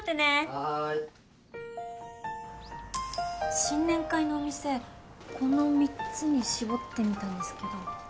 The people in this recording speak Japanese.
新年会のお店この３つに絞ってみたんですけど。